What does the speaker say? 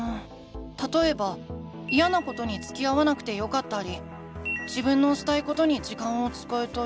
たとえばイヤなことにつきあわなくてよかったり自分のしたいことに時間を使えたり。